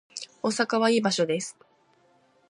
大阪はいい場所です